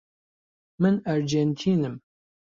من ئەرجێنتینم.